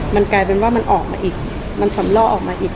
มันกลายเป็นว่ามันออกมาอีกมันสำล่อออกมาอีก